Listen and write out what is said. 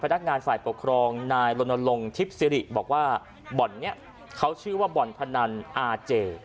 นักงานฝ่ายปกครองนายลนลงทิพย์สิริบอกว่าบ่อนนี้เขาชื่อว่าบ่อนพนันอาเจ